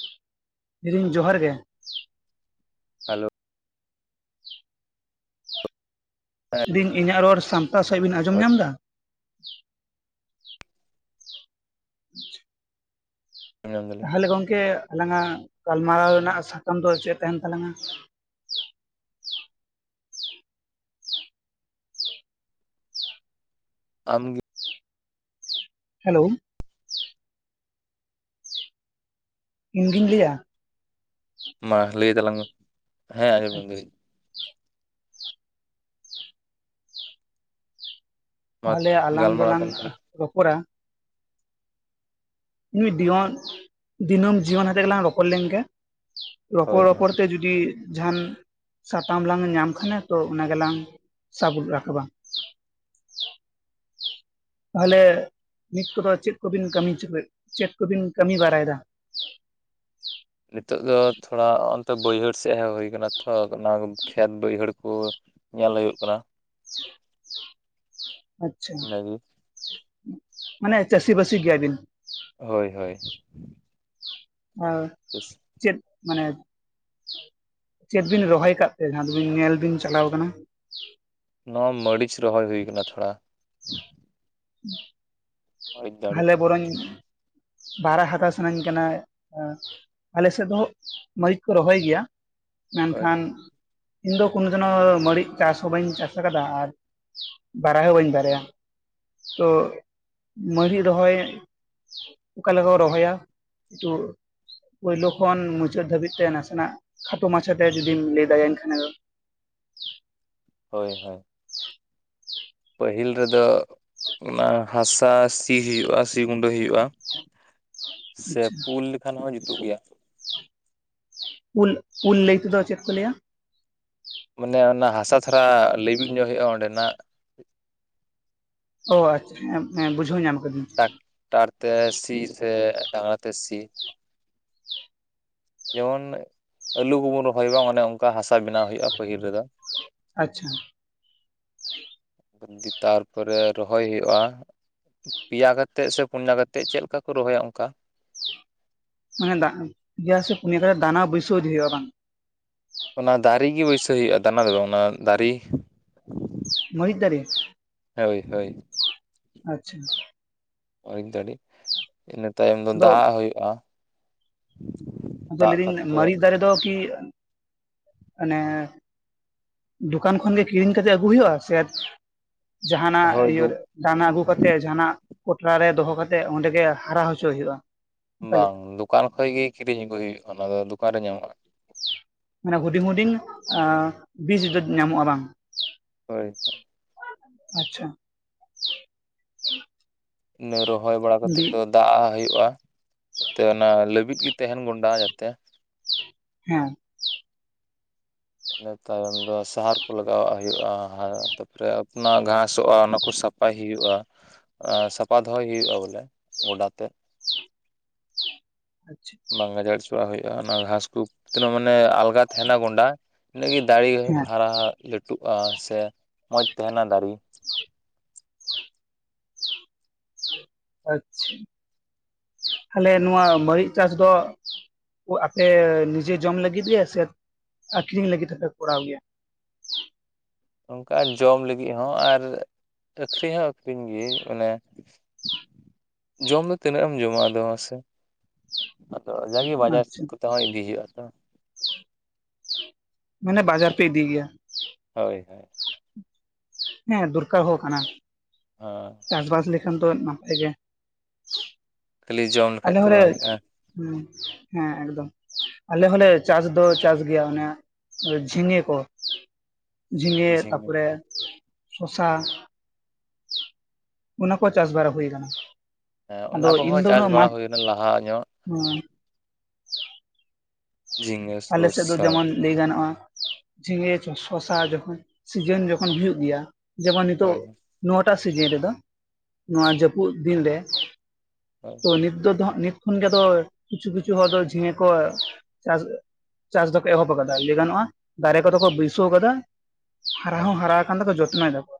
ᱞᱟ. ᱭᱫᱤᱧ ᱡᱚᱦᱟᱨ ᱜᱮ ᱾ ᱦᱮᱞᱳ ᱾ ᱦᱮᱸ ᱫᱤᱧ ᱤᱧᱟᱹᱜ ᱨᱚᱲ ᱥᱟᱢᱴᱟ ᱥᱮᱫ ᱵᱤᱱ ᱦᱳᱭ ᱟᱸᱡᱚᱢ ᱧᱟᱢ ᱮᱫᱟ? [inaudible] ᱟᱸᱡᱚᱢ ᱧᱟᱢ ᱫᱟᱞᱤᱧ ᱛᱟᱦᱚᱞᱮ ᱜᱚᱝᱠᱮ ᱟᱞᱟᱝᱜᱟᱜ ᱜᱟᱞᱢᱟᱨᱟᱣ ᱨᱮᱱᱟᱜ ᱥᱟᱠᱟᱢ ᱫᱚ ᱪᱮᱫ ᱛᱟᱦᱮᱱ ᱛᱟᱞᱟᱝᱟ? ᱟᱢᱜᱤ ᱦᱮᱞᱳ ᱾ ᱤᱧᱜᱤᱧ ᱞᱟᱹᱭᱟ? ᱢᱟ ᱞᱟᱹᱭ ᱛᱟᱞᱟᱝ ᱢᱮ ᱾ ᱦᱮᱸ ᱟᱡᱚᱸᱢ ᱧᱟᱢ ᱟᱪᱪᱷᱟ ᱫᱟᱞᱤᱧ ᱾ ᱢᱟ ᱛᱟᱦᱚᱞᱮ ᱟᱞᱟᱝ ᱜᱟᱞᱢᱟᱨᱟᱣ ᱫᱚᱞᱟᱝ ᱛᱟᱦᱚᱞᱮ ᱨᱚᱯᱚᱲᱟ ᱱᱩᱭ ᱫᱤᱭᱚᱱ ᱫᱤᱱᱟᱹᱢ ᱡᱤᱭᱚᱱ ᱦᱟᱛᱮᱜ ᱜᱮᱞᱟᱝ ᱨᱚᱯᱚᱲ ᱞᱮᱱᱜᱮ ᱨᱚᱯᱚᱲ ᱦᱳᱭ ᱦᱳᱭ ᱨᱚᱯᱚᱲ ᱛᱮ ᱡᱩᱫᱤ ᱡᱩᱫᱤ ᱡᱟᱦᱟᱱ ᱥᱟᱛᱟᱢ ᱞᱟᱝ ᱧᱟᱢ ᱠᱷᱟᱱ ᱛᱚ ᱚᱱᱟ ᱜᱮᱞᱟᱝ ᱥᱟᱵ ᱨᱟᱠᱟᱵᱟ ᱾ ᱛᱟᱦᱚᱞᱮ ᱱᱤᱛ ᱠᱚᱫᱚ ᱪᱮᱫ ᱠᱚᱵᱤᱱ ᱠᱟᱹᱢᱤ ᱪᱚ, ᱪᱮᱫ ᱠᱚᱵᱤᱱ ᱠᱟᱹᱢᱤ ᱵᱟᱲᱟᱭᱮᱫᱟ? ᱱᱤᱛᱚᱜ ᱫᱚ ᱛᱷᱚᱲᱟ ᱚᱱᱛᱮ ᱵᱟᱹᱭᱦᱟᱹᱲ ᱥᱮᱡ ᱦᱮᱸᱡ ᱦᱩᱭ ᱟᱠᱟᱱᱟ ᱾ ᱛᱚ ᱚᱱᱟ ᱠᱷᱮᱛ ᱵᱟᱹᱭᱦᱟᱹᱲ ᱠᱚ ᱧᱮᱞ ᱦᱩᱭᱩᱜ ᱠᱟᱱᱟ ᱾ ᱟᱪᱪᱷᱟ ᱤᱱᱟᱹᱜᱮ ᱢᱟᱱᱮ ᱪᱟᱹᱥᱤ-ᱵᱟᱹᱥᱤ ᱜᱮᱭᱟ ᱵᱤᱱ? ᱦᱚᱭ ᱦᱚᱭ ᱾ [unintelligible] ᱪᱟ. ᱥᱤ ᱪᱮᱫ ᱢᱟᱱᱮ, ᱪᱮᱫ ᱵᱤᱱ ᱨᱚᱦᱚᱭ ᱠᱟᱜ ᱛᱮ ᱡᱟᱦᱟᱸ ᱫᱚᱵᱤᱱ ᱧᱮᱞ ᱵᱤᱱ ᱪᱟᱞᱟᱣ ᱠᱟᱱᱟ? ᱱᱚᱣᱟ ᱢᱟᱹᱲᱤᱪ ᱨᱚᱦᱚᱭ ᱦᱩᱭ ᱟᱠᱟᱱᱟ ᱛᱷᱚᱲᱟ ᱾ [unintelligible] ᱢᱟᱹᱨᱤᱪ ᱫᱟᱲᱮ ᱦᱟᱞᱮ ᱵᱚᱨᱚᱧ ᱵᱟᱨᱟ ᱦᱟᱛᱟᱣ ᱥᱟᱱᱟᱧ ᱠᱟᱱᱟ᱾ ᱟᱞᱮ ᱥᱮᱫ ᱦᱚᱸ ᱢᱟᱹᱨᱤᱪ ᱠᱚ ᱨᱚᱦᱚᱭ ᱜᱮᱭᱟ ᱾ ᱦᱳᱭ ᱢᱮᱱᱠᱷᱟᱱ ᱤᱧ ᱫᱚ ᱠᱳᱱᱳ ᱫᱤᱱ ᱦᱚᱸ ᱢᱟᱹᱲᱤᱡ ᱪᱟᱥ ᱦᱚᱸ ᱵᱟᱹᱧ ᱪᱟᱥ ᱟᱠᱟᱫᱟ ᱟᱨ ᱵᱟᱲᱟᱭ ᱦᱚᱸ ᱵᱟᱹᱧ ᱵᱟᱲᱟᱭᱟ ᱛᱚ ᱢᱟᱨᱤᱡ ᱨᱚᱦᱚᱭ ᱚᱠᱟ ᱞᱮᱠᱟ ᱠᱚ ᱨᱚᱦᱚᱭᱟ? ᱯᱳᱭᱞᱳ ᱠᱷᱚᱱ ᱢᱩᱪᱟᱹᱫ ᱫᱷᱟᱹᱵᱤᱡ ᱛᱮ ᱱᱟᱥᱮᱱᱟᱜ ᱠᱷᱟᱴᱚ ᱢᱟᱪᱷᱟ ᱛᱮ ᱡᱩᱫᱤᱢ ᱞᱟᱹᱭ ᱫᱟᱲᱮᱭᱟᱹᱧ ᱠᱷᱟᱱ ᱫᱚ ᱦᱚᱭ ᱦᱚᱭ ᱾ ᱯᱟᱹᱦᱤᱞ ᱨᱮᱫᱚ ᱚᱱᱟ ᱦᱟᱥᱟ ᱥᱤ ᱦᱳᱭᱳᱜᱼᱟ, ᱥᱤ ᱜᱩᱸᱰᱟᱹ ᱦᱩᱭᱩᱜᱼᱟ ᱾ ᱥᱮ ᱟᱪᱪᱷᱟ ᱯᱩᱞ ᱞᱮᱠᱷᱟᱱ ᱦᱚᱸ ᱡᱩᱛᱩᱜ ᱜᱮᱭᱟ ᱾ ᱩᱞ, ᱩᱞ ᱞᱟᱹᱭ ᱛᱮᱫᱚ ᱪᱮᱫ ᱠᱚ ᱞᱟᱹᱭᱟ? ᱢᱟᱱᱮ ᱚᱱᱟ ᱦᱟᱥᱟ ᱫᱷᱟᱨᱟ ᱞᱟᱹᱵᱤᱫ ᱧᱚᱜ ᱦᱩᱭᱩᱜᱼᱟ ᱚᱸᱰᱮᱱᱟᱜ ᱚ ᱟᱪᱪᱷᱟ ᱦᱮᱸ ᱵᱩᱡᱷᱟᱹᱣ ᱧᱟᱢ ᱟᱠᱟᱫᱤᱧ ᱾ ᱴᱟᱠᱴᱟᱨ ᱛᱮ ᱥᱤ ᱥᱮ ᱰᱟᱝᱨᱟ ᱛᱮ ᱥᱤ ᱾ ᱡᱮᱢᱚᱱ ᱟᱹᱞᱩ ᱠᱚᱵᱚᱱ ᱨᱚᱦᱚᱭ ᱵᱟᱝ ᱚᱱᱮ ᱚᱱᱠᱟ ᱦᱟᱥᱟ ᱵᱮᱱᱟᱣ ᱦᱩᱭᱩᱜᱼᱟ ᱯᱟᱹᱦᱤᱞ ᱨᱮᱫᱚ ᱾ ᱟᱪᱪᱷᱟ ᱾ [unintelligible] ᱫᱤ ᱛᱟᱨᱯᱚᱨᱮ ᱨᱚᱦᱚᱭ ᱦᱩᱭᱩᱜᱼᱟ ᱾ ᱯᱮᱭᱟ ᱠᱟᱛᱮᱜ ᱥᱮ, ᱯᱩᱱᱭᱟ ᱠᱟᱛᱮᱜ ᱪᱮᱫ? ᱞᱮᱠᱟ ᱠᱚ ᱨᱚᱦᱚᱭᱟ ᱚᱱᱠᱟ ᱾ ᱢᱟᱱᱮ, ᱫᱟᱜ [unintelligible] ᱯᱮᱭᱟ ᱥᱮ ᱯᱩᱱᱭᱟ ᱠᱟᱛᱮᱫ, ᱫᱟᱱᱟ ᱵᱟ. ᱭᱥᱟ. ᱣ ᱤᱫᱤ ᱦᱩᱭᱩᱜᱼᱟ, ᱵᱟᱝ? ᱚᱱᱟ ᱫᱟᱨᱮ ᱜᱮ, ᱵᱟᱹᱭᱥᱟᱹᱣ ᱦᱩᱭᱩᱜᱼᱟ ᱾ ᱫᱟᱱᱟ ᱫᱚ ᱵᱟᱝ? ᱚᱱᱟ ᱫᱟᱨᱮ ᱾ ᱢᱟᱹᱨᱤᱪ ᱫᱟᱨᱮ? ᱦᱳᱭ, ᱦᱳᱭ ᱾ ᱟᱪᱪᱷᱟ ᱾ ᱚᱭᱤᱡ ᱫᱟᱰᱤᱹ [unintelligible] ᱤᱱᱟᱹ ᱛᱟᱭᱚᱢ ᱫᱚ, ᱟᱫᱚ ᱫᱟᱜ ᱦᱩᱭᱩᱜᱼᱟ ᱾ ᱟᱫᱚ ᱞᱟᱹᱭ [unintelligible] ᱢᱟᱨᱤᱪ ᱫᱟᱨᱮ ᱫᱚ ᱠᱤ ᱢᱟᱱᱮ, ᱫᱳᱠᱟᱱ ᱠᱷᱚᱱᱜᱮ ᱠᱤᱨᱤᱧ ᱠᱟᱛᱮᱫ ᱟᱹᱜᱩ ᱦᱩᱭᱩᱜᱻᱟ ᱥᱮ? ᱡᱟᱦᱟᱸᱱᱟᱜ, ᱦᱳᱭ ᱤᱭᱟᱹ ᱫᱩ ᱫᱟᱱᱟ ᱟᱹᱜᱩ ᱠᱟᱛᱮᱫ, ᱡᱟᱦᱟᱸᱱᱟᱜ ᱯᱚᱴᱞᱟ ᱨᱮ, ᱫᱚᱦᱚ, ᱠᱟᱛᱮᱜ ᱚᱸᱰᱮ ᱜᱮ, ᱦᱟᱨᱟ ᱦᱚᱪᱚ ᱦᱩᱭᱩᱜᱼᱟ ᱾ ᱵᱟᱝ!? ᱫᱚᱠᱟᱱ ᱠᱷᱚᱡ ᱜᱮ ᱠᱤᱨᱤᱧ ᱟᱹᱜᱩᱭ ᱦᱩᱭᱩᱜᱼᱟ ᱾ ᱚᱱᱟ ᱫᱚ ᱫᱚᱠᱟᱱ ᱨᱮ ᱧᱟᱢᱚᱜᱼᱟ ᱾ ᱢᱟᱱᱮ, ᱦᱩᱰᱤᱧ-ᱦᱩᱰᱤᱧ ᱵᱤᱡᱽ ᱧᱟᱢᱚᱜᱼᱟ, ᱵᱟᱝ? ᱦᱳᱭ ᱾ ᱟᱪᱪᱷᱟ ᱾ ᱤᱱᱟᱹ, ᱨᱚᱦᱚᱭ ᱵᱟᱲᱟ ᱠᱟᱛᱮᱫ ᱵᱤ ᱫᱚ ᱫᱟᱜ ᱟᱜ ᱦᱩᱭᱩᱜᱼᱟ ᱾ ᱡᱟᱛᱮ ᱚᱱᱟ ᱞᱟᱹᱵᱤᱫ ᱜᱮ, ᱛᱟᱦᱮᱱ ᱜᱚᱸᱰᱟ ᱡᱟ ᱛᱮ ᱾ ᱦᱮᱸ᱾ ᱤᱱᱟᱹ ᱛᱟᱭᱚᱢ ᱫᱚ, ᱥᱟᱦᱟᱨ ᱠᱚ ᱞᱟᱜᱟᱣᱼᱟᱜ ᱦᱩᱭᱩᱜᱼᱟ ᱾ ᱛᱟᱯᱚᱨᱮ ᱟᱯᱱᱟ ᱜᱷᱟᱸᱥᱚᱜᱼᱟ, ᱚᱱᱟ ᱠᱚ ᱥᱟᱯ ᱥᱟᱯᱷᱟᱭ ᱦᱩᱭᱩᱜᱼᱟ, ᱥᱟᱯᱷᱟ ᱫᱚᱦᱚᱭ ᱦᱩᱭᱩᱜᱼᱟ ᱵᱚᱞᱮ, ᱜᱚᱰᱟ ᱛᱮᱫ ᱾ ᱟᱪᱪᱷᱟ ᱾ ᱵᱟᱝ ᱜᱟᱡᱟᱲ, ᱦᱚᱪᱚᱣᱟᱜ ᱦᱩᱭᱩᱜᱼᱟ ᱾ ᱚᱱᱟ ᱜᱷᱟᱸᱥ ᱠᱚ, ᱛᱤᱱᱟᱹᱜ ᱢᱟᱱᱮ ᱟᱞᱜᱟ ᱛᱟᱦᱮᱱᱟ ᱜᱚᱸᱰᱟ, ᱤᱱᱟᱹᱜ ᱜᱮ ᱫᱟᱨᱮ ᱦᱮᱸ ᱟᱪᱪᱷᱟ ᱦᱟᱨᱟ ᱞᱟᱹᱴᱩᱜᱼᱟ ᱾ ᱥᱮ ᱢᱚᱡᱽ ᱛᱟᱦᱮᱱᱟ ᱫᱟᱨᱮ ᱾ ᱟᱪᱪᱷᱟ ᱾ ᱛᱟᱦᱞᱮ ᱱᱚᱣᱟ, ᱢᱟᱹᱨᱤᱪ ᱪᱟᱥ ᱫᱚ? ᱟᱯᱮ ᱱᱤᱡᱮ ᱡᱚᱢ ᱞᱟᱹᱜᱤᱫ ᱜᱮ, ᱥᱮ? ᱟᱠᱷᱨᱤᱧ ᱞᱟᱹᱜᱤᱫ ᱦᱚᱸᱯᱮ ᱠᱚᱨᱟᱣ ᱜᱮᱭᱟ ᱾ ᱚᱱᱠᱟ ᱡᱚᱢ ᱞᱟᱹᱜᱤᱫ ᱦᱚᱸ, ᱟᱨ ᱟᱹᱠᱷᱨᱤᱧ ᱦᱚᱸ ᱟᱹᱠᱷᱨᱤᱧ ᱜᱮ ᱚᱱᱟ ᱡᱚᱢ ᱫᱚ ᱛᱤᱱᱟᱹᱜ? ᱮᱢ ᱡᱚᱢᱟ ᱟᱫᱚ, ᱢᱟᱥᱮ! ᱟᱫᱚ, ᱡᱟᱜᱮ ᱵᱟᱡᱟᱨ ᱟᱪᱪᱷᱟ ᱠᱚᱛᱮ ᱦᱚᱸ ᱤᱫᱤ ᱦᱩᱭᱩᱜᱼᱟ ᱛᱚ ᱾ ᱢᱟᱱᱮ, ᱵᱟᱡᱟᱨ ᱯᱮ ᱤᱫᱤ ᱜᱮᱭᱟ? ᱦᱳᱭ, ᱦᱳᱭ ᱾ ᱦᱮᱸ, ᱫᱚᱨᱠᱟᱨ ᱦᱚᱸ ᱠᱟᱱᱟ ᱾ ᱦᱚᱸ ᱾ ᱪᱟᱥ-ᱵᱟᱥ, ᱞᱮᱠᱷᱟᱱ ᱫᱚ ᱱᱟᱯᱟᱭ ᱜᱮ ᱾ ᱠᱷᱟᱞᱤ, ᱡᱚᱢ ᱞᱮᱠᱷᱟᱡ ᱟᱞᱮ ᱫᱚ ᱦᱚᱸ ᱵᱟᱝ ᱞᱮ ᱦᱩᱭᱩᱜᱼᱟ ᱦᱩᱸ, ᱦᱮᱸᱼᱮᱠᱫᱚᱢ, ᱟᱞᱮ ᱦᱚᱸᱞᱮ, ᱪᱟᱥ ᱫᱚ ᱪᱟᱥ ᱜᱮᱭᱟ ᱚᱱᱮ ᱡᱷᱤᱸᱜᱮ ᱠᱚ, ᱡᱷᱤᱸᱜᱮ ᱡᱷᱤᱸᱜᱟᱹ ᱛᱟᱯᱚᱨᱮ ᱥᱚᱥᱟ ᱚᱱᱟ ᱠᱚ, ᱪᱟᱥ ᱵᱟᱲᱟ ᱦᱩᱭ ᱟᱠᱟᱱᱟ ᱾ ᱦᱮᱸ, ᱚᱱᱟ ᱠᱚᱦᱚᱸ ᱪᱟᱥ ᱵᱟᱲᱟ ᱦᱩᱭ ᱮᱱᱟ ᱞᱟᱦᱟ ᱧᱚᱜ ᱾ ᱱᱚᱣᱟ ᱡᱷᱤᱝᱜᱟᱹ ᱾ ᱟᱞᱮ, ᱥᱮᱫ ᱫᱚ ᱡᱮᱢᱚᱱ ᱞᱟᱹᱭ ᱜᱟᱱᱚᱜᱼᱟ, ᱡᱷᱤᱸᱜᱮ ᱥᱚᱥᱟ ᱡᱚᱠᱷᱚᱱ, ᱥᱤᱡᱮᱱ ᱡᱚᱠᱷᱚᱱ ᱦᱩᱭᱩᱜ ᱜᱮᱭᱟ ᱡᱮᱢᱚᱱ ᱱᱤᱛᱚᱜ, ᱦᱳᱭ ᱱᱚᱣᱟᱴᱟᱜ ᱥᱤᱡᱤᱱ ᱨᱮᱫᱚ, ᱱᱚᱣᱟ ᱡᱟᱹᱯᱩᱫ ᱫᱤᱱᱨᱮ ᱦᱚᱭ [unintelligible] ᱛᱚ ᱱᱤᱛᱫᱚ, ᱫᱚ ᱦᱟᱸᱜ ᱱᱤᱛ ᱠᱷᱚᱱ ᱜᱮ, ᱫᱚᱭ ᱠᱤᱪᱷᱩ ᱠᱤᱪᱷᱩ ᱦᱚᱲ ᱫᱚ, ᱡᱷᱤᱸᱜᱮ ᱠᱚ ᱪᱟᱥ ᱪᱟᱥ ᱫᱚᱠᱚ ᱮᱦᱚᱵ ᱟᱠᱟᱫᱟ, ᱾ ᱞᱟᱹᱭ ᱜᱟᱱᱚᱜᱼᱟ, ᱫᱟᱨᱮ ᱠᱚ ᱫᱚ ᱠᱚ, ᱵᱟᱹᱭᱥᱟᱹᱣ ᱟᱠᱟᱫᱟ, ᱦᱟᱨᱟ ᱦᱳᱭ ᱦᱚᱸ ᱦᱟᱨᱟ ᱠᱷᱟᱱ ᱫᱚ ᱠᱚ, ᱡᱚᱛᱱᱚᱭ ᱟᱫᱟᱠᱚ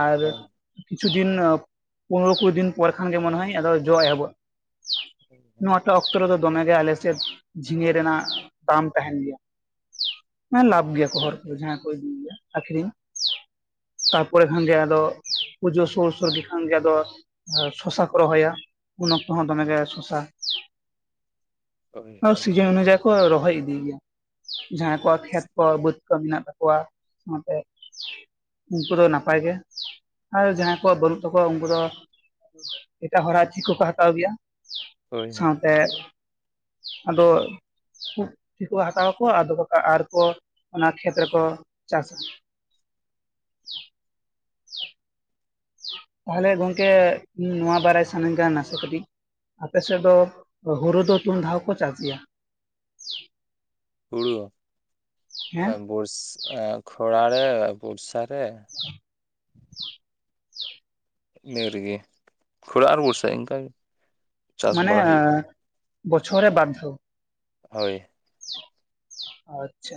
ᱟᱨ ᱦᱳᱭ ᱠᱤᱪᱷᱩ ᱫᱤᱱ, ᱯᱚᱱᱨᱚ, ᱠᱩᱲᱤ ᱫᱤᱱ ᱯᱚᱨ ᱠᱷᱟᱱ ᱜᱮ, ᱢᱚᱱᱮ ᱦᱚᱭ, ᱟᱫᱚ ᱡᱚ ᱮᱦᱚᱵᱚᱜᱼᱟ᱾ ᱱᱚᱣᱟᱴᱟᱜ ᱚᱠᱛᱚ ᱨᱮᱫᱚ ᱫᱚᱢᱮ ᱜᱮ ᱟᱞᱮᱥᱮᱫ ᱡᱷᱤᱸᱜᱮ ᱨᱮᱱᱟᱜ ᱫᱟᱢ ᱛᱟᱦᱮᱸᱱ ᱜᱮᱭᱟ, ᱢᱟᱱᱮ ᱞᱟᱵᱷ ᱜᱮᱭᱟ ᱠᱚ ᱦᱚᱲᱚ ᱠᱚ ᱡᱟᱦᱟᱸ ᱠᱚ ᱤᱫᱤ ᱜᱮᱭᱟ ᱟᱹᱠᱷᱨᱤᱧ᱾ ᱛᱟᱨ ᱯᱚᱨᱮ ᱠᱷᱟᱱ ᱜᱮ ᱟᱫᱚ, ᱯᱩᱡᱟᱹ ᱥᱳᱨ ᱥᱳᱨ ᱜᱮ ᱠᱷᱟᱱᱜᱮ ᱟᱫᱚ ᱥᱚᱥᱟ ᱠᱚ ᱨᱚᱦᱚᱭᱟ ᱩᱱ ᱚᱠᱛᱚ ᱦᱚᱸ ᱫᱚᱢᱮ ᱜᱮ ᱥᱚᱥᱟ [unintelligible] ᱟ ᱦᱳᱭ ᱥᱤᱡᱚᱱ ᱚᱱᱩᱡᱟᱭ ᱠᱚ ᱨᱚ ᱫᱚᱦᱚᱭ [unintelligible] ᱤᱫᱤ ᱜᱮᱭᱟ, ᱡᱟᱦᱟᱸᱭ ᱠᱚᱣᱟᱜ ᱠᱷᱮᱛ ᱠᱚ ᱵᱟᱹᱫᱽ ᱠᱚ ᱢᱮᱱᱟᱜ ᱛᱟᱠᱚᱣᱟ ᱚᱱᱛᱮᱼᱼ ᱩᱱᱠᱩ ᱫᱚ ᱱᱟᱯᱟᱭ ᱜᱮ, ᱟᱨ ᱡᱟᱦᱟᱸᱭ ᱠᱚᱣᱟᱜ ᱵᱟᱹᱱᱩᱜ ᱛᱟᱠᱚᱣᱟ ᱩᱱᱠᱩ ᱫᱚᱼᱼ ᱮᱴᱟᱜ ᱦᱚᱲᱟᱜ ᱪᱮᱫ ᱠᱚᱠᱚ ᱦᱟᱛᱟᱣ ᱜᱮᱭᱟ? ᱦᱳᱭ ᱥᱟᱶᱛᱮ ᱟᱫᱚ ᱠᱩᱜ ᱪᱮᱫ ᱠᱚ ᱦᱟᱛᱟᱣᱟ ᱠᱚ ᱟᱫᱚ ᱠᱚ ᱟᱨᱠᱚ ᱚᱱᱟ ᱠᱷᱮᱛ ᱨᱮᱠᱚ ᱪᱟᱥᱟ᱾ ᱛᱟᱦᱚᱞᱮ ᱜᱚᱝᱠᱮ ᱤᱧ ᱱᱚᱣᱟ ᱵᱟᱨᱟᱭ ᱥᱟᱱᱟᱧ ᱠᱟᱱᱟ ᱱᱟᱥᱮ ᱠᱟᱹᱴᱤᱡ᱾ ᱟᱯᱮᱥᱮᱫ ᱫᱚ ᱦᱳᱨᱳ ᱫᱚ ᱛᱩᱱᱫᱷᱟᱣ ᱠᱚ ᱪᱟᱥ ᱜᱮᱭᱟ? ᱦᱩᱲᱩ, ᱦᱮᱸ ᱵᱚᱥ ᱮᱸ ᱠᱷᱚᱲᱟ ᱲᱮ ᱵᱚᱨᱥᱟ ᱨᱮ᱾ ᱤᱱᱟᱹ ᱨᱮᱜᱮ ᱠᱷᱚᱲᱟ ᱟᱨ ᱵᱚᱨᱥᱟ ᱤᱱᱠᱟ ᱜᱮ᱾ ᱢᱟᱱᱮ ᱟᱻ ᱵᱚᱪᱷᱚᱨ ᱨᱮ ᱵᱟᱨ ᱫᱷᱟᱣ᱾ ᱦᱳᱭ᱾ ᱟᱪᱪᱷᱟ᱾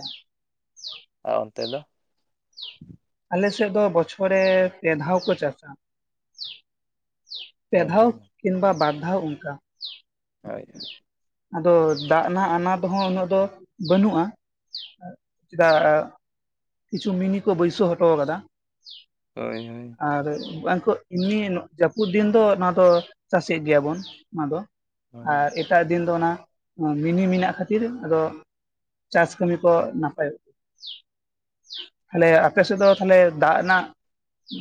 ᱟᱻ ᱚᱱᱛᱮ ᱫᱚ? ᱟᱞᱮ ᱥᱮᱫ ᱫᱚ ᱵᱚᱪᱷᱚᱨ ᱨᱮ ᱯᱮ ᱫᱷᱟᱣ ᱠᱚ ᱪᱟᱥᱟ᱾ ᱯᱮ ᱫᱷᱟᱣ ᱠᱤᱱᱵᱟ ᱵᱟᱨ ᱫᱷᱟᱣ ᱚᱱᱠᱟ᱾ ᱦᱳᱭ᱾ ᱟᱫᱚ ᱫᱟᱜ ᱱᱟᱜ ᱟᱱᱟᱛ ᱦᱚᱸ ᱩᱱᱟᱹᱜ ᱫᱚ ᱵᱟᱹᱱᱩᱜᱼᱟ᱾ ᱪᱮᱫᱟᱜ ᱠᱤᱪᱷᱩ ᱢᱤᱱᱤ ᱠᱚ ᱵᱟᱹᱭᱥᱟᱹᱣ ᱦᱚᱴᱚ ᱠᱟᱫᱟ᱾ ᱦᱳᱭ ᱦᱳᱭ ᱟᱨ ᱩᱱᱠᱟᱱ ᱠᱩᱜᱼᱼ ᱤᱢᱱᱤ ᱡᱟᱹᱯᱩᱫ ᱫᱤᱱ ᱫᱚ ᱱᱚᱣᱟ ᱫᱚ ᱪᱟᱥᱮᱫ ᱜᱮᱭᱟᱵᱚᱱ ᱚᱱᱟ ᱫᱚ ᱟᱨ ᱮᱼᱼ ᱫᱤᱱ ᱫᱚ ᱱᱟᱜ ᱢᱤᱱᱤ ᱢᱮᱱᱟᱜ ᱠᱷᱟᱹᱛᱤᱨ ᱟᱫᱚ ᱪᱟᱥ ᱠᱟᱹᱢᱤ ᱠᱚ ᱱᱟᱯᱟᱭᱚᱜ ᱜᱮ᱾ ᱛᱟᱦᱚᱞᱮ ᱟᱯᱮ ᱥᱮᱫ ᱫᱚ ᱛᱟᱦᱞᱮ ᱫᱟᱜ ᱨᱮᱱᱟᱜ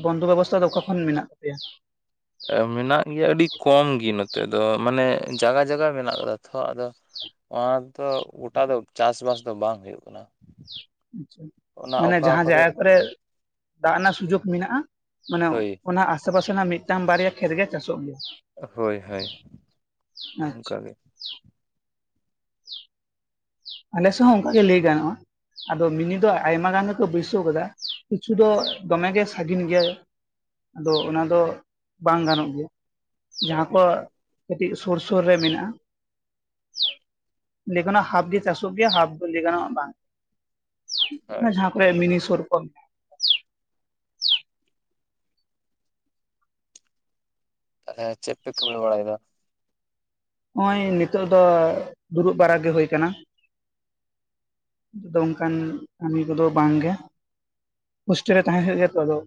ᱵᱚᱱᱫᱚ ᱵᱮᱵᱚᱥᱛᱟ ᱫᱚ ᱚᱠᱟ ᱠᱷᱚᱱ ᱢᱮᱱᱟᱜ ᱛᱟᱯᱮᱭᱟ? ᱢᱮᱱᱟᱜ ᱜᱮᱭᱟ ᱟᱹᱰᱤ ᱠᱚᱢ ᱜᱮ ᱱᱚᱛᱮ ᱫᱚ, ᱢᱟᱱᱮ ᱡᱟᱜᱟ ᱡᱟᱜᱟ ᱢᱮᱱᱟᱜ ᱠᱟᱫᱟ ᱛᱷᱚ ᱟᱫᱚ ᱚᱱᱟ ᱫᱚ ᱜᱚᱴᱟ ᱫᱚ ᱪᱟᱥᱵᱟᱥ ᱫᱚ ᱵᱟᱝ ᱦᱩᱭᱩᱜ ᱠᱟᱱᱟ᱾ ᱟᱪᱪᱷᱟ, ᱚᱱᱟ ᱢᱟᱱᱮ ᱚᱠᱟ ᱡᱟᱦᱟᱸ ᱡᱟᱭᱜᱟ ᱠᱚᱨᱮ ᱫᱟᱜ ᱨᱮᱱᱟᱜ ᱥᱩᱡᱳᱜ ᱢᱮᱱᱟᱜ-ᱟᱼᱼ ᱢᱟᱱᱮ ᱦᱳᱭ ᱚᱱᱟ ᱟᱥᱮᱯᱟᱥᱮ ᱨᱮᱱᱟᱜ ᱢᱤᱫᱴᱟᱝ ᱵᱟᱨᱭᱟ ᱠᱷᱮᱛ ᱜᱮ ᱪᱟᱥᱚᱜ ᱜᱮᱭᱟ᱾ ᱦᱳᱭ ᱦᱳᱭ, ᱟᱪᱪᱷᱟ ᱚᱱᱠᱟᱜᱮ᱾ ᱟᱞᱮᱥᱮᱜ ᱦᱚᱸ ᱚᱱᱠᱟᱜᱮ ᱞᱟᱹᱭ ᱜᱟᱱᱚᱜᱼᱟ᱾ ᱟᱫᱚ ᱢᱤᱱᱤ ᱫᱚ ᱟᱭᱢᱟ ᱜᱟᱱ ᱜᱮᱠᱚ ᱵᱟᱹᱭᱥᱟᱹᱣ ᱠᱟᱫᱟ ᱠᱤᱪᱷᱩ ᱫᱚ ᱫᱚᱢᱮᱜᱮ ᱥᱟᱹᱜᱤᱱ ᱜᱮᱭᱟ᱾ ᱟᱫᱚ ᱚᱱᱟ ᱫᱚ ᱵᱟᱝ ᱜᱟᱱᱚᱜ ᱜᱮᱭᱟ ᱡᱟᱦᱟᱸ ᱠᱚᱼᱼ ᱦᱳᱭ ᱠᱟᱹᱴᱤᱡ ᱥᱳᱨ ᱥᱳᱨ ᱨᱮ ᱢᱮᱱᱟᱜ-ᱟ ᱤᱱᱮ ᱠᱷᱚᱱᱟᱜ ᱦᱟᱯ ᱜᱮᱼᱼ ᱪᱟᱥᱚᱜ ᱜᱮᱭᱟ ᱦᱟᱯᱷ ᱫᱚᱭ ᱞᱮᱭᱜᱟᱱᱚᱜ-ᱟ ᱵᱟᱝ ᱦᱳᱭ ᱡᱟᱦᱟᱸ ᱠᱚᱨᱮ ᱢᱤᱱᱤ ᱥᱳᱨ ᱠᱚ ᱛᱟᱦᱞᱮ ᱪᱮᱫ ᱯᱮ ᱠᱟᱢᱤ ᱵᱟᱲᱟᱭᱮᱫᱟ? ᱱᱚᱜ-ᱚᱭ ᱱᱤᱛᱚᱜ ᱫᱚ ᱫᱩᱲᱩᱵ ᱵᱟᱲᱟ ᱜᱮ ᱦᱳᱭ ᱠᱟᱱᱟ᱾ ᱟᱫᱚ ᱚᱱᱠᱟᱱ ᱠᱟᱹᱢᱤ ᱠᱚᱫᱚ ᱵᱟᱝᱜᱮ᱾ ᱦᱳᱥᱴᱮᱞ ᱨᱮ ᱛᱟᱦᱮᱸ ᱦᱳᱭᱳᱜ ᱜᱮᱭᱟ ᱛᱚ ᱟᱫᱚᱼᱼ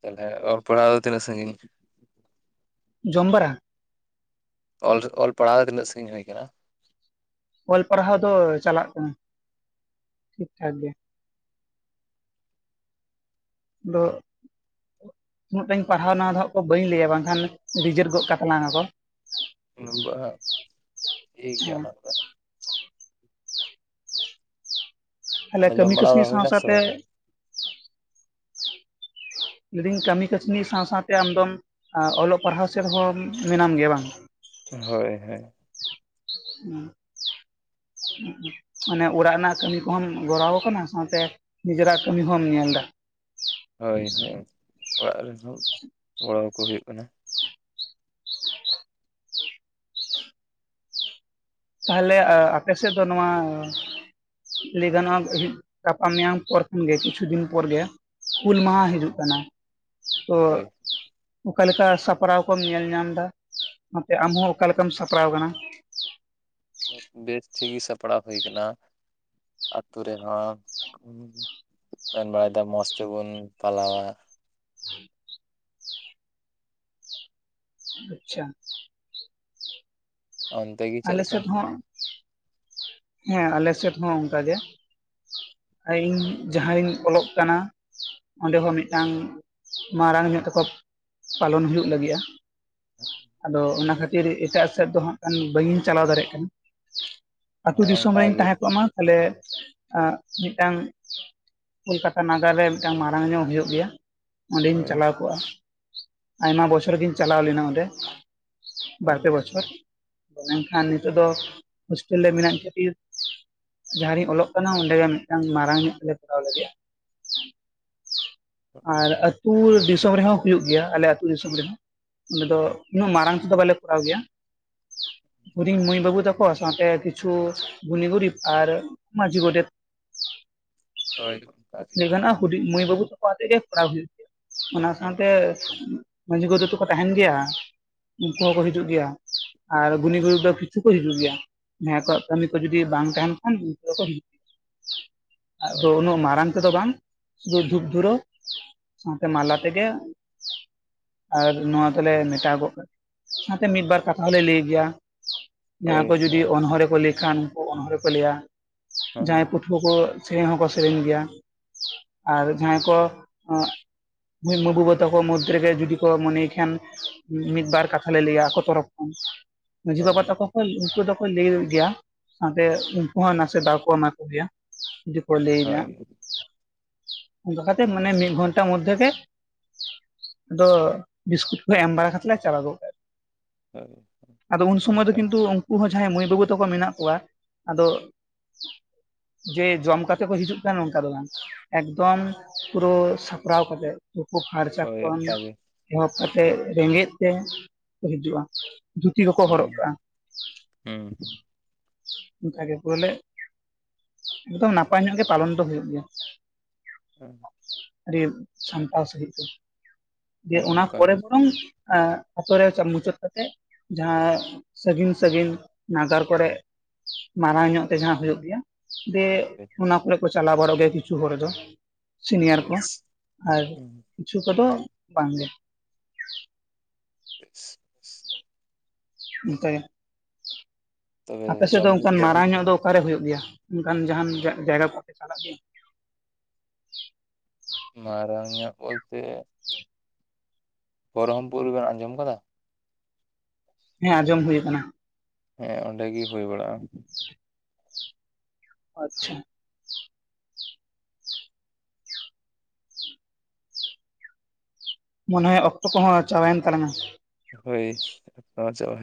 ᱛᱟᱦᱚᱞᱮ ᱚᱞ ᱯᱟᱲᱦᱟᱣ ᱫᱚ ᱛᱤᱱᱟᱹᱜ ᱥᱟᱺᱜᱤᱧ᱾ ᱡᱚᱢᱵᱟᱨᱟ? ᱚᱞ ᱚᱞ ᱯᱟᱲᱦᱟᱣ ᱛᱤᱱᱟᱹᱜ ᱥᱟᱺᱜᱤᱧ ᱦᱩᱭ ᱠᱟᱱᱟ? ᱚᱞ ᱯᱟᱲᱦᱟᱣ ᱫᱚ ᱪᱟᱞᱟᱜ ᱠᱟᱱᱟ ᱴᱷᱤᱠ ᱴᱷᱟᱠ ᱜᱮ᱾ ᱫᱚᱻ ᱩᱱᱟᱹᱜ ᱴᱟᱧ ᱯᱟᱲᱦᱟᱣ ᱚᱱᱟ ᱫᱚ ᱦᱟᱜ ᱠᱚ ᱵᱟᱹᱧ ᱞᱟᱹᱭᱟ ᱵᱟᱝᱠᱷᱟᱱ ᱨᱤᱡᱮᱨ ᱜᱚᱫ ᱠᱟᱛᱟᱞᱟᱝ ᱟᱠᱚ᱾ ᱧᱩᱜᱵᱟᱜ ᱴᱷᱤᱠ ᱜᱮ ᱚᱱᱟᱫᱚ᱾ ᱛᱟᱦᱞᱮ ᱛᱟᱦᱚᱞᱮ ᱠᱟᱹᱢᱤ ᱡᱚᱢ ᱵᱟᱲᱟ ᱠᱟᱹᱥᱱᱤ ᱫᱚ ᱥᱟᱶ ᱦᱩᱭᱱᱟ ᱥᱮ ᱥᱟᱶᱛᱮ ᱵᱟᱝ? ᱞᱟᱹᱭᱫᱟᱹᱧ ᱠᱟᱹᱢᱤ ᱠᱟᱹᱥᱱᱤ ᱥᱟᱶ ᱥᱟᱶᱛᱮ ᱟᱢᱫᱚᱢ ᱚᱞᱚᱜ ᱯᱟᱲᱦᱟᱣ ᱥᱮᱫ ᱦᱚᱸ ᱢᱮᱱᱟᱢ ᱜᱮᱭᱟ ᱵᱟᱝ? ᱦᱳᱭ ᱦᱮᱸ ᱩᱸᱦᱩᱜ ᱢᱟᱱᱮ ᱚᱲᱟᱜ ᱨᱮᱱᱟᱜ ᱠᱟᱹᱢᱤ ᱠᱚᱦᱚᱢ ᱜᱚᱨᱟᱣ ᱠᱟᱱᱟ ᱥᱟᱶᱛᱮ ᱱᱤᱡᱮᱨᱟᱜ ᱠᱟᱹᱢᱤ ᱦᱚᱸᱢ ᱧᱮᱞ ᱫᱟ᱾ ᱦᱳᱭ ᱦᱳᱭ ᱚᱲᱟᱜ ᱨᱮᱱ ᱦᱚᱸ ᱜᱚᱲᱚᱣᱟᱠᱚ ᱦᱩᱭᱩᱜ ᱠᱟᱱᱟ᱾ ᱛᱟᱦᱚᱞᱮ ᱟᱯᱮ ᱥᱮᱫ ᱫᱚ ᱱᱚᱣᱟ ᱞᱟᱹᱭ ᱜᱟᱱᱚᱜ-ᱟ ᱜᱟᱯᱟ ᱢᱮᱭᱟᱝ ᱯᱚᱨ ᱠᱷᱚᱱᱜᱮ ᱠᱤᱪᱷᱩ ᱫᱤᱱ ᱯᱚᱨ ᱜᱮ ᱦᱩᱞ ᱢᱟᱦᱟ ᱦᱤᱡᱩᱜ ᱠᱟᱱᱟ᱾ ᱛᱚ ᱦᱳᱭ ᱚᱠᱟ ᱞᱮᱠᱟ ᱥᱟᱯᱲᱟᱣ ᱠᱚᱢ ᱧᱮᱞ ᱧᱟᱢ ᱫᱟ ᱚᱱᱟᱛᱮ ᱟᱢ ᱦᱚᱸ ᱚᱠᱟ ᱞᱮᱠᱟᱢ ᱥᱟᱯᱲᱟᱣ ᱠᱟᱱᱟ? ᱵᱮᱥ ᱴᱷᱤᱠ ᱜᱮ ᱥᱟᱯᱲᱟᱣ ᱦᱩᱭ ᱠᱟᱱᱟ ᱟᱛᱳ ᱨᱮᱦᱚᱸ ᱢᱮᱱ ᱵᱟᱲᱟᱭᱮᱫᱟ ᱢᱚᱸᱡᱽ ᱛᱮᱵᱚᱱ ᱯᱟᱞᱟᱣᱟ᱾ ᱟᱪᱪᱷᱟ᱾ ᱟᱢ ᱟᱞᱮ ᱥᱮᱫ ᱦᱚᱸ ᱦᱮᱸ ᱟᱞᱮ ᱥᱮᱫ ᱦᱚᱸ ᱚᱱᱠᱟᱜᱮ᱾ ᱤᱧ ᱡᱟᱦᱟᱸ ᱨᱤᱧ ᱚᱞᱚᱜ ᱠᱟᱱᱟ ᱚᱸᱰᱮ ᱦᱚᱸ ᱢᱤᱫᱴᱟᱝ ᱢᱟᱨᱟᱝ ᱧᱚᱜ ᱛᱮᱠᱚ ᱯᱟᱞᱚᱱ ᱦᱩᱭᱩᱜ ᱞᱟᱹᱜᱤᱫ-ᱟ᱾ ᱟᱫᱚ ᱚᱱᱟ ᱠᱷᱟᱹᱛᱤᱨ ᱮᱴᱟᱜ ᱥᱮᱫ ᱫᱚ ᱦᱟᱸᱜ ᱠᱷᱟᱱ ᱵᱟᱹᱧ ᱪᱟᱞᱟᱣ ᱫᱟᱲᱮᱭᱟᱜ ᱠᱟᱱᱟ᱾ ᱟᱹᱛᱩ ᱦᱳᱭ ᱫᱤᱥᱚᱢ ᱚᱱᱠᱟ ᱨᱤᱧ ᱜᱮ ᱛᱟᱦᱮᱸ ᱠᱚᱜ ᱢᱟ ᱛᱟᱦᱞᱮ ᱢᱤᱫᱴᱟᱝ ᱠᱳᱞᱠᱟᱛᱟ ᱱᱟᱜᱟᱨ ᱨᱮ ᱢᱤᱫᱴᱟᱝ ᱢᱟᱨᱟᱝ ᱧᱚᱜ ᱦᱩᱭᱩᱜ ᱜᱮᱭᱟ᱾ ᱚᱸᱰᱮᱧ ᱦᱳᱭ ᱪᱟᱞᱟᱣ ᱠᱚᱜᱼᱟ ᱟᱭᱢᱟ ᱵᱚᱪᱷᱚᱨ ᱜᱤᱧ ᱪᱟᱞᱟᱣ ᱞᱮᱱᱟ ᱚᱸᱰᱮ ᱦᱳᱭ ᱵᱟᱨᱯᱮ ᱵᱚᱪᱷᱚᱨ ᱢᱮᱱᱠᱷᱟᱱ ᱱᱤᱛᱚᱜ ᱫᱚ ᱦᱳᱥᱴᱮᱞ ᱨᱮ ᱢᱮᱱᱟᱹᱧ ᱠᱷᱟᱛᱤᱨ ᱡᱟᱦᱟᱸᱨᱤᱧ ᱚᱞᱚᱜ ᱠᱟᱱᱟ ᱚᱸᱰᱮᱜᱮ ᱢᱤᱫᱴᱟᱱ ᱢᱟᱨᱟᱝ ᱧᱚᱜ ᱞᱮ ᱠᱚᱨᱟᱣ ᱞᱟᱹᱜᱤᱫᱼᱟ᱾ ᱦᱳᱭ ᱟᱨ ᱟᱹᱛ ᱦᱩᱞ ᱫᱤᱥᱚᱢ ᱨᱮᱦᱚᱸ ᱦᱩᱭᱩᱜ ᱜᱮᱭᱟ ᱟᱞᱮ ᱟᱛᱳ ᱫᱤᱥᱚᱢ ᱨᱮᱦᱚᱸ ᱚᱸᱰᱮ ᱫᱚ ᱩᱱᱟᱹᱜ ᱢᱟᱨᱟᱝ ᱛᱮᱫᱚ ᱵᱟᱞᱮ ᱠᱚᱨᱟᱣ ᱜᱮᱭᱟ᱾ ᱦᱩᱰᱤᱧ ᱢᱟᱹᱭ ᱵᱟᱹᱵᱩ ᱛᱟᱠᱚ ᱥᱟᱶᱛᱮ ᱠᱤᱪᱷᱩ ᱜᱩᱱᱤ ᱜᱩᱨᱤᱵ ᱟᱨ ᱢᱟᱹᱡᱷᱤ ᱜᱚᱰᱮᱛ ᱦᱳᱭ ᱚᱱᱠᱟ ᱜᱮ ᱞᱮᱭ ᱜᱟᱱᱚᱜᱼᱟ ᱦᱩᱰᱤᱧ ᱢᱟᱹᱭ ᱵᱟᱹᱵᱩ ᱛᱟᱠᱚ ᱟᱛᱮ ᱜᱮ ᱠᱚᱨᱟᱣ ᱦᱩᱭᱩᱜ ᱜᱮᱭᱟ ᱚᱱᱟ ᱥᱟᱶᱛᱮ ᱦᱳᱭ ᱢᱟᱹᱡᱷᱤ ᱜᱚᱰᱷᱮᱛ ᱫᱚᱠᱚ ᱛᱟᱦᱮᱱ ᱜᱮᱭᱟ ᱩᱱᱠᱩ ᱦᱚᱸᱠᱚ ᱦᱤᱡᱩᱜ ᱜᱮᱭᱟ᱾ ᱟᱨ ᱜᱩᱱᱤ ᱜᱩᱨᱩᱤ ᱫᱚ ᱠᱤᱪᱷᱩ ᱠᱚ ᱦᱤᱡᱩᱜ ᱜᱮᱭᱟ ᱱᱟᱭ ᱠᱚᱣᱟᱜ ᱠᱟᱹᱢᱤ ᱠᱚ ᱡᱩᱫᱤ ᱵᱟᱝ ᱛᱟᱦᱮᱱ ᱠᱷᱟᱱ ᱩᱱᱠᱩ ᱫᱚᱠᱚ ᱦᱤᱡᱩᱜ ᱜᱮᱭᱟ᱾ ᱟᱫᱚ ᱦᱳᱭ ᱩᱱᱟᱹᱜ ᱢᱟᱨᱟᱝ ᱛᱮᱫᱚ ᱵᱟᱝ ᱥᱩᱫᱩ ᱫᱷᱩᱯ ᱫᱷᱩᱨᱟᱹ ᱥᱟᱶᱛᱮ ᱢᱟᱞᱟ ᱛᱮᱜᱮ ᱟᱨ ᱱᱚᱣᱟ ᱫᱚᱞᱮ ᱢᱮᱴᱟᱣ ᱜᱚᱜ ᱥᱟᱶᱛᱮ ᱢᱤᱫ ᱵᱟᱨ ᱠᱟᱛ ᱛᱟᱦᱚᱞᱮ ᱞᱟᱹᱭ ᱜᱮᱭᱟ ᱦᱳᱭ ᱡᱟᱦᱟᱸ ᱠᱚ ᱡᱩᱫᱤ ᱚᱱᱚᱬᱦᱮ ᱠᱚ ᱞᱟᱹᱭ ᱠᱷᱟᱱ ᱩᱱᱠᱩ ᱚᱱᱚᱬᱦᱮ ᱠᱚ ᱞᱟᱹᱭᱟ᱾ ᱦᱮᱸ ᱡᱟᱭ ᱯᱟᱹᱴ ᱯᱷᱳᱠᱚ ᱥᱮᱨᱮᱧ ᱦᱚᱸᱠᱚ ᱥᱮᱨᱮᱧ ᱜᱮᱭᱟ ᱟᱨ ᱡᱟᱦᱟᱸᱭ ᱠᱚ ᱦᱩᱸᱜ ᱢᱟᱹᱭ ᱵᱟᱹᱵᱩ ᱛᱟᱠᱚ ᱢᱩᱫᱽ ᱨᱮᱜᱮ ᱡᱩᱫᱤ ᱠᱚ ᱢᱚᱱᱮᱭ ᱠᱷᱟᱱ ᱢᱤᱫᱵᱟᱨ ᱠᱟᱛᱷᱟ ᱞᱮ ᱞᱟᱹᱭᱟ ᱟᱠᱚ ᱛᱚᱨᱚᱯ ᱠᱷᱚᱱ ᱢᱟᱹᱡᱷᱤ ᱵᱟᱵᱟ ᱦᱳᱭ ᱛᱟᱠᱚ ᱠᱷᱚᱱ ᱩᱱᱠᱩ ᱫᱚ ᱠᱚ ᱞᱟᱹᱭᱚᱜ ᱫᱮᱭᱟ ᱥᱟᱶᱛᱮ ᱩᱱᱠᱩ ᱦᱚᱸ ᱱᱟᱥᱮ ᱫᱟᱣᱠᱚ ᱮᱢᱟ ᱠᱚᱜᱮᱭᱟ᱾ ᱡᱩᱫᱤᱠᱚ ᱞᱟᱹᱭᱟᱹᱧᱟ᱾ ᱦᱳᱭ ᱚᱱᱠᱟ ᱠᱟᱛᱮᱜ ᱢᱟᱱᱮ ᱢᱤᱫ ᱜᱷᱚᱱᱴᱟ ᱢᱚᱫᱷᱮ ᱜᱮ ᱟᱫᱚ ᱵᱤᱥᱠᱩᱴ ᱠᱚ ᱮᱢ ᱵᱟᱲᱟ ᱠᱟᱛᱮᱫ ᱪᱟᱞᱟᱜᱚᱜ ᱯᱮ᱾ [inaudible] ᱟᱫᱚ ᱩᱱ ᱥᱚᱢᱚᱭ ᱫᱚ ᱚᱱᱠᱟ ᱠᱤᱱᱛᱩ ᱩᱱᱠᱩ ᱦᱚᱸ ᱡᱟᱦᱟᱸᱭ ᱢᱟᱹᱭ ᱵᱟᱹᱵᱩ ᱛᱟᱠᱚ ᱢᱮᱱᱟᱜ ᱠᱚᱣᱟ ᱟᱫᱚ ᱡᱮ ᱡᱚᱢ ᱠᱟᱛᱮ ᱠᱚ ᱦᱤᱡᱩᱜ ᱠᱟᱱᱟ ᱱᱚᱝᱠᱟ ᱫᱚ ᱵᱟᱝ ᱮᱠᱫᱚᱢ ᱯᱩᱨᱟᱹ ᱥᱟᱯᱨᱟᱣ ᱠᱟᱛᱮᱜ᱾ ᱛᱩᱯᱩ ᱯᱷᱟᱨᱪᱟ ᱦᱳᱭ ᱠᱷᱚᱱ ᱚᱱᱠᱟ ᱜᱮ ᱮᱦᱚᱵ ᱠᱟᱛᱮᱫ ᱨᱮᱸᱜᱮᱡ ᱛᱮ ᱠᱚ ᱦᱤᱡᱩᱜᱼᱟ᱾ ᱫᱷᱩᱛᱤ ᱠᱚᱠᱚ ᱦᱩᱸ ᱦᱚᱨᱚᱜ ᱠᱟᱜᱼᱟ ᱦᱩᱸ ᱾ ᱚᱱᱠᱟ ᱜᱮ ᱵᱚᱞᱮ ᱮᱠᱫᱚᱢ ᱱᱟᱯᱟᱭ ᱧᱚᱜ ᱜᱮ ᱯᱟᱞᱚᱱ ᱫᱚ ᱦᱩᱭᱩᱜ ᱜᱮᱭᱟ᱾ [inaudible] ᱟᱹᱰᱤ ᱥᱟᱢᱴᱟᱣ ᱥᱟᱹᱦᱤᱡ ᱛᱮ, ᱫᱤᱭᱮ ᱚᱱᱟ ᱚᱱᱠᱟ ᱯᱚᱨᱮ ᱜᱮ ᱵᱚᱨᱚᱝ ᱟᱛᱳ ᱨᱮ ᱪᱟ ᱢᱩᱪᱟᱹᱫ ᱠᱟᱛᱮᱜ ᱡᱟᱦᱟᱸ ᱥᱟᱹᱜᱤᱧ-ᱥᱟᱹᱜᱤᱧ ᱱᱟᱜᱟᱨ ᱠᱚᱨᱮᱜ ᱢᱟᱨᱟᱝ ᱧᱚᱜ ᱛᱮ ᱡᱟᱦᱟᱸ ᱦᱩᱭᱩᱜ ᱜᱮᱭᱟ ᱫᱮ ᱦᱳᱭ ᱚᱱᱟ ᱠᱚᱨᱮ ᱠᱚ ᱪᱟᱞᱟᱣ ᱵᱟᱲᱚᱜ ᱜᱮᱭᱟ ᱠᱤᱪᱷᱩ ᱦᱚᱲ ᱫᱚ ᱥᱤᱱᱤᱭᱟᱨ ᱠᱚ ᱵᱮᱥ ᱟᱨ ᱦᱩᱸ ᱠᱤᱪᱷᱩ ᱠᱚᱫᱚ ᱵᱟᱝᱜᱮ᱾ [inaudible] ᱚᱱᱠᱟ ᱜᱮ, ᱛᱚᱵᱮ ᱟᱯᱮ ᱥᱮᱫ ᱫᱚ ᱡᱚᱢ ᱧᱩ ᱚᱱᱠᱟᱱ ᱠᱚᱫᱚ ᱢᱟᱨᱟᱝ ᱧᱚᱜ ᱫᱚ ᱚᱠᱟᱨᱮ ᱦᱩᱭᱩᱜ ᱜᱮᱭᱟ, ᱚᱱᱠᱟᱱ ᱡᱟᱦᱟᱱ ᱡᱟᱭᱜᱟ ᱠᱚᱯᱮ ᱪᱟᱞᱟᱜ ᱜᱮᱭᱟ? ᱢᱟᱨᱟᱝ ᱧᱚᱹᱜ ᱵᱚᱞᱛᱮ ᱯᱚᱨᱚᱢᱯᱩᱨ ᱵᱮᱱ ᱟᱸᱡᱚᱢ ᱟᱠᱟᱫᱟ? ᱦᱮᱸ ᱟᱸᱡᱚᱢ ᱦᱩᱭ ᱟᱠᱟᱱᱟ᱾ ᱦᱮᱸ ᱚᱸᱰᱮ ᱜᱤ ᱦᱩᱭ ᱵᱟᱲᱟᱜᱼᱟ᱾ ᱟᱪᱷᱟ᱾ ᱢᱚᱱᱮ ᱦᱚᱭ ᱚᱠᱛᱚ ᱠᱚᱦᱚᱸ ᱪᱟᱵᱟᱭᱮᱱ ᱛᱟᱞᱟᱝᱟ? ᱦᱳᱭ ᱪᱟᱵᱟ ᱦᱤᱡᱩᱜ᱾